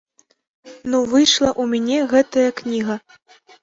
Ну выйшла ў мяне гэтая кніга.